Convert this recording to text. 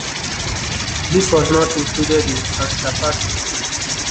This was not included in Panchappathi.